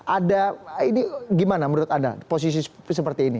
ada ini gimana menurut anda posisi seperti ini